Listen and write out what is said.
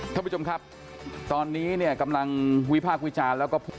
ท่านผู้ชมครับตอนนี้เนี่ยกำลังวิพากษ์วิจารณ์แล้วก็พูด